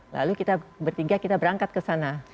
lalu kita bertiga kita berangkat kesana